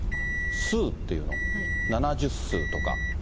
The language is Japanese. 数っていうの、７０数とか。